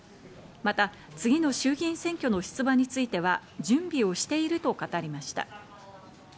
また、次の衆議院選挙の出馬については準備をしていると語りました。